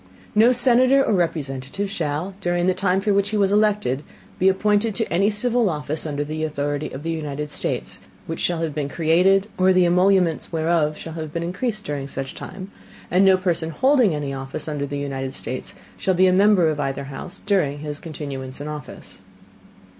No Senator or Representative shall, during the Time for which he was elected, be appointed to any civil Office under the authority of the United States, which shall have been created, or the Emoluments whereof shall have been increased during such time; and no Person holding any Office under the United States, shall be a Member of either House during his Continuance in Office.